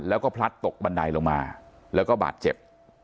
แล้วก็พลัดตกบันไดลงมาแล้วก็บาดเจ็บ